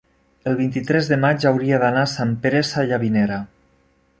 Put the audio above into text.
el vint-i-tres de maig hauria d'anar a Sant Pere Sallavinera.